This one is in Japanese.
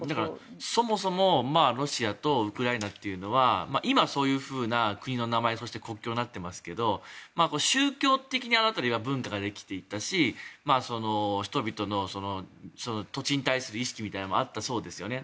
そもそもロシアとウクライナというのは今、そういうふうな国の名前そして、国境になっていますが宗教的な文化はできていたし人々の土地に対する意識みたいなのもあったそうですよね。